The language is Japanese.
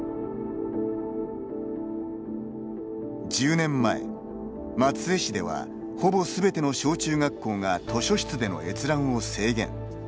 １０年前、松江市ではほぼすべての小中学校が図書室での閲覧を制限。